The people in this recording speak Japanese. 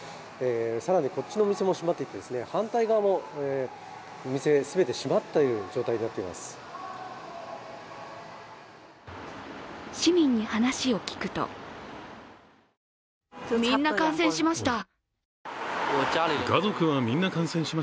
更にこっちのお店も閉まっていて反対側もお店全て閉まっている状態になってしまっています。